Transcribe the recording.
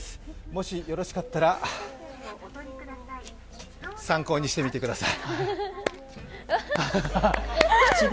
もしよろしかったら、参考にしてみてください。